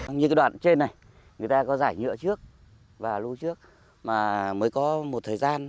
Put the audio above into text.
như cái đoạn trên này người ta có giải nhựa trước và lúc trước mà mới có một thời gian